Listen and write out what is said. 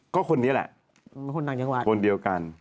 ก็คนนี้แหละคนดังจังหวัดคนเดียวกัน